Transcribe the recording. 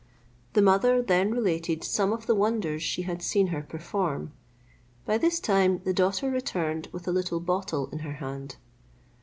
The mother then related some of the wonders she had seen her perform: by this time the daughter returned with a little bottle in her hand.